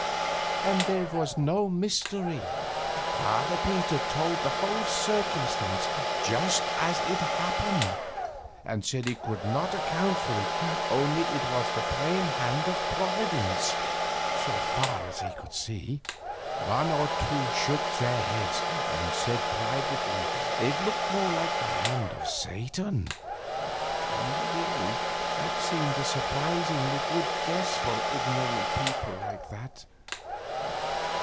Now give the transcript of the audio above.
And there was no mystery; Father Peter told the whole circumstance just as it happened, and said he could not account for it, only it was the plain hand of Providence, so far as he could see. One or two shook their heads and said privately it looked more like the hand of Satan; and really that seemed a surprisingly good guess for ignorant people like that.